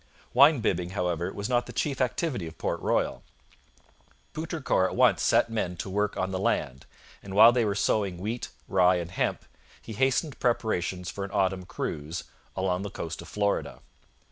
Wine bibbing, however, was not the chief activity of Port Royal. Poutrincourt at once set men to work on the land, and while they were sowing wheat, rye, and hemp he hastened preparations for an autumn cruise 'along the coast of Florida.'